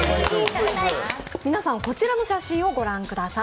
皆さん、こちらの写真をご覧ください。